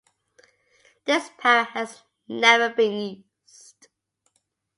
This power has never been used.